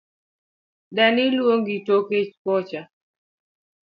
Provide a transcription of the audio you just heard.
Dani luongi toke kocha